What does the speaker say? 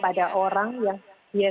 pada orang yang yes benar